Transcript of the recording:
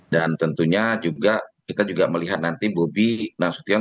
dan tentunya juga kita juga melihat nanti bobi nasution